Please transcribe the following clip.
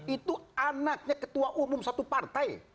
itu anaknya ketua umum satu partai